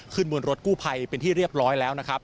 ขึ้นบนรถกู่ไภเป็นที่เรียบร้อยแล้ว